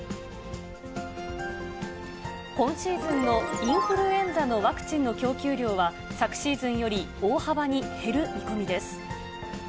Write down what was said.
今シーズンのインフルエンザのワクチンの供給量は、昨シーズンより大幅に減る見込みです。